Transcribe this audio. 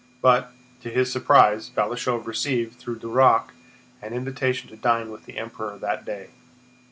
But, to his surprise, Balashëv received, through Duroc, an invitation to dine with the Emperor that day.